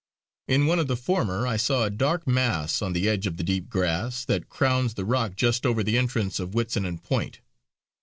In one of the former I saw a dark mass on the edge of the deep grass that crowns the rock just over the entrance of Witsennan Point.